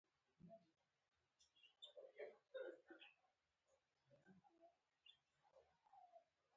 دا سړکونه د نظامي او سوداګریز اړتیاوو لپاره منځته راغلل.